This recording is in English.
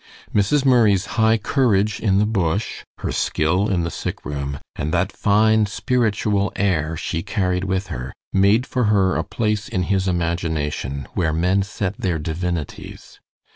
Mrs. Murray's high courage in the bush, her skill in the sick room, and that fine spiritual air she carried with her made for her a place in his imagination where men set their divinities.